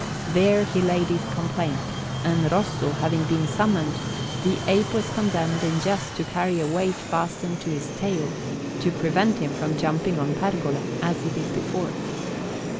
There he laid his complaint; and, Rosso having been summoned, the ape was condemned in jest to carry a weight fastened to his tail, to prevent him from jumping on pergole, as he did before.